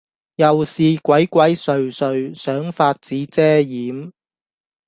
又是鬼鬼祟祟，想法子遮掩，